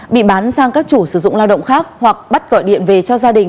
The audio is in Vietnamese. bị bán sang các chủ sử dụng lao động khác hoặc bắt gọi điện về cho gia đình